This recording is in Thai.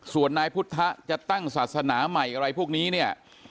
ส่วนนายพุทธจะตั้งศาสนาใหม่อะไรพวกนี้เนี่ย